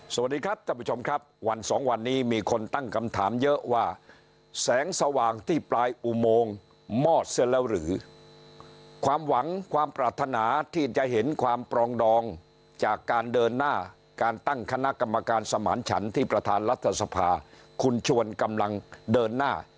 สวัสดีครับท่านผู้ชมครับวันสองวันนี้มีคนตั้งคำถามเยอะว่าแสงสว่างที่ปลายอุโมงมอดเสร็จแล้วหรือความหวังความปรารถนาที่จะเห็นความปรองดองจากการเดินหน้าการตั้งคณะกรรมการสมานฉันที่ประธานรัฐสภาคุณชวนกำลังเดินหน้า